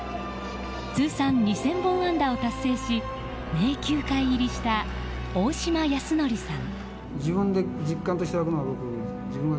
通算２０００本安打を達成し名球会入りした大島康徳さん。